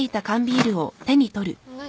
何？